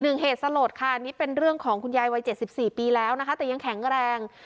เหตุสลดค่ะนี่เป็นเรื่องของคุณยายวัย๗๔ปีแล้วนะคะแต่ยังแข็งแรง